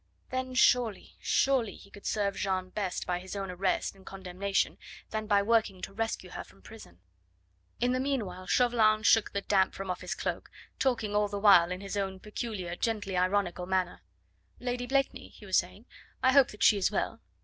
Then surely, surely, he could serve Jeanne best by his own arrest and condemnation, than by working to rescue her from prison. In the meanwhile Chauvelin shook the damp from off his cloak, talking all the time in his own peculiar, gently ironical manner. "Lady Blakeney?" he was saying "I hope that she is well!"